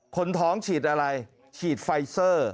คนท้องฉีดอะไรฉีดไฟเซอร์